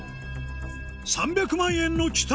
３００万円の期待